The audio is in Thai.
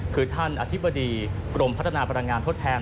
คือท่านอธิบดีกรมพัฒนาพลังงานทดแทน